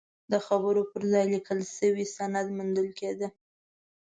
د خبرو پر ځای لیکل شوی سند منل کېده.